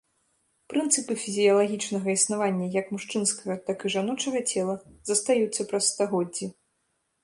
Прынцыпы фізіялагічнага існавання як мужчынскага, так і жаночага цела застаюцца праз стагоддзі.